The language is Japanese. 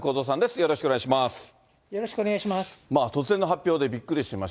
よろしくお願いします。